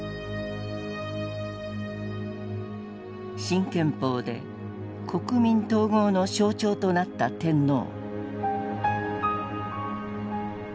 新憲法で国民統合の象徴となった天皇。